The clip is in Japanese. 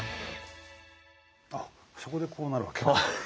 あっそこでこうなるわけか。